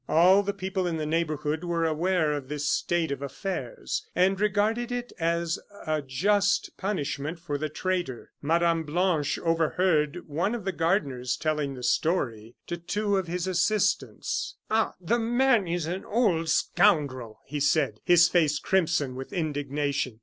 All the people in the neighborhood were aware of this state of affairs, and regarded it as a just punishment for the traitor. Mme. Blanche overheard one of the gardeners telling the story to two of his assistants: "Ah, the man is an old scoundrel!" he said, his face crimson with indignation.